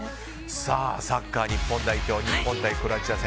サッカー日本代表日本対クロアチア戦。